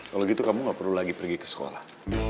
kalau gitu kamu gak perlu lagi pergi ke sekolah